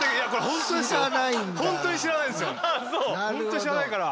本当に知らないから。